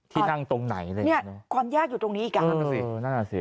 ที่นั่งตรงไหนความยากอยู่ตรงนี้อีกครับ